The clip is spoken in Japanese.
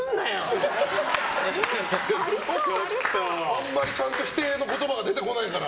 あまりちゃんと否定の言葉が出てこないから。